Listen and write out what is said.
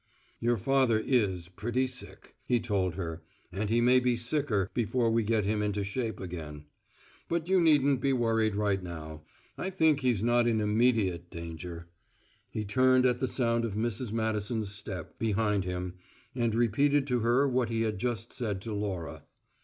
"Your father is pretty sick," he told her, "and he may be sicker before we get him into shape again. But you needn't be worried right now; I think he's not in immediate danger." He turned at the sound of Mrs. Madison's step, behind him, and repeated to her what he had just said to Laura.